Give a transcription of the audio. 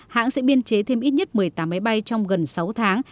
hãng sẽ biên chế thêm ít nhất một mươi tám máy bay trong gần sáu tháng